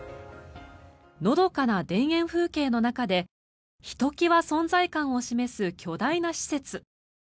のどかな田園風景の中でひときわ存在感を示す巨大な施設。